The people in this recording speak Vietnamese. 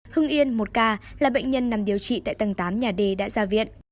hưng yên một ca là bệnh nhân nằm điều trị tại tầng tám nhà d đã ra viện